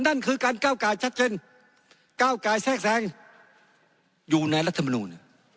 นั่นคือการก้าวกายชัดเจนก้าวกายแทรกแทรงอยู่ในรัฐมนูล